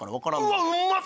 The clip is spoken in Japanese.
うわうまっ！